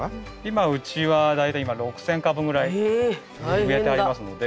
今うちは大体今６，０００株ぐらい植えてありますので。